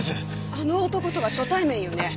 あの男とは初対面よね。